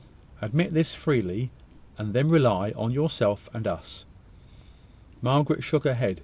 Admit this freely, and then rely on yourself and us." Margaret shook her head.